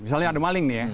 misalnya ada maling nih ya